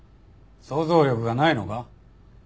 想像力がないのか？